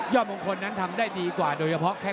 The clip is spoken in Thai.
ฮือ